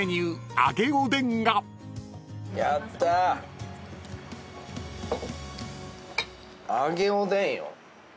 揚げおでんよ。